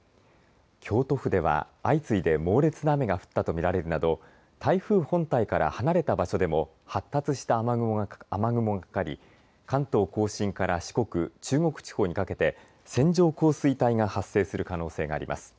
京都府では相次いで猛烈な雨が降ったと見られるなど台風本体から離れた場所でも発達した雨雲がかかり関東甲信から四国、中国地方にかけて線状降水帯が発生する可能性があります。